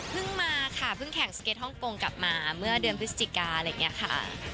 มาค่ะเพิ่งแข่งสเก็ตฮ่องกงกลับมาเมื่อเดือนพฤศจิกาอะไรอย่างนี้ค่ะ